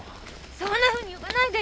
そんなふうに呼ばないでよ！